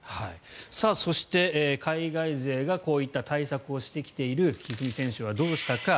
そして海外勢がこういった対策をしてきている一二三選手はどうしたか。